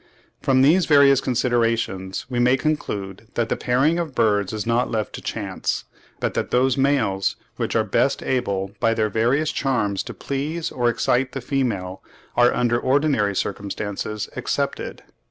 From these various considerations we may conclude that the pairing of birds is not left to chance; but that those males, which are best able by their various charms to please or excite the female, are under ordinary circumstances accepted.